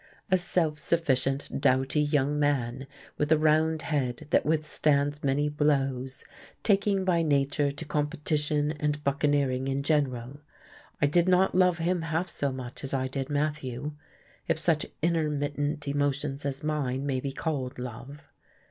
A self sufficient, doughty young man, with the round head that withstands many blows, taking by nature to competition and buccaneering in general. I did not love him half so much as I did Matthew if such intermittent emotions as mine may be called love.